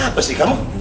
apa sih kamu